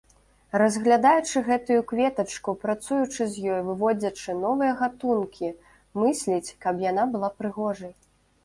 Разглядаючы гэтую кветачку, працуючы з ёй, выводзячы новыя гатункі, мысліць, каб яна была прыгожай.